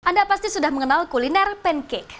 anda pasti sudah mengenal kuliner pancake